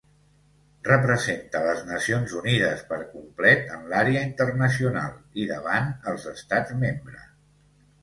Representa les Nacions Unides per complet en l'àrea internacional i davant els estats membre.